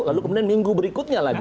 lalu kemudian minggu berikutnya lagi